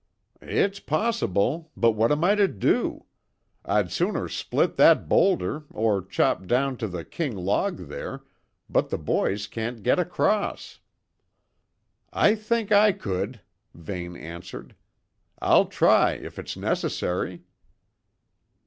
"It's possible, but what am I to do? I'd sooner split that boulder or chop down to the king log there, but the boys can't get across." "I think I could," Vane answered. "I'll try, if it's necessary."